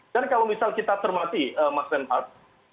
dan kalau misal kita termati mas rembad